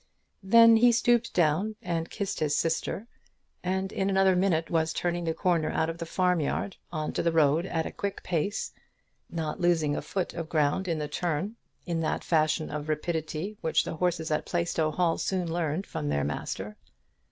Then he stooped down and kissed his sister, and in another minute was turning the corner out of the farm yard on to the road at a quick pace, not losing a foot of ground in the turn, in that fashion of rapidity which the horses at Plaistow Hall soon learned from their master.